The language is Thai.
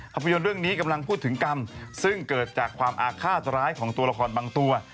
ภาพยนตร์เรื่องนี้กำลังพูดถึงกรรมซึ่งเกิดจากความอาฆาตร้ายของตัวละครบางตัว